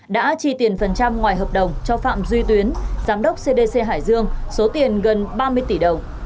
đã chi tiền phần trăm ngoài hợp đồng cho phạm duy tuyến giám đốc cdc hải dương số tiền gần ba mươi tỷ đồng